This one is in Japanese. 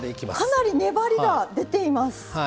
かなり粘りが出ています！